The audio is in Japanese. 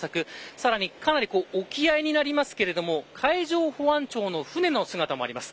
さらに、かなり沖合になりますが海上保安庁の船の姿もあります。